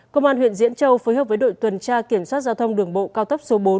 công an huyện diễn châu phối hợp với đội tuần tra kiểm soát giao thông đường bộ cao tốc số bốn